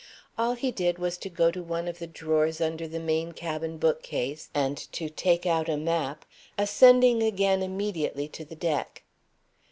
All he did was to go to one of the drawers under the main cabin book case and to take out a map, ascending again immediately to the deck.